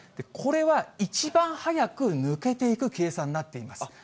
これは一番早く抜けていく計算になっています。